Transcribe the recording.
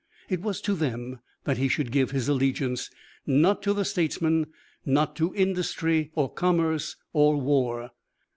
It was to them he should give his allegiance, not to the statesmen, not to industry or commerce or war.